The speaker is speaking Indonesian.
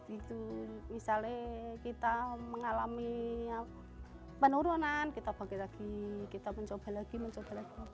itu misalnya kita mengalami penurunan kita bagi bagi kita mencoba lagi mencoba lagi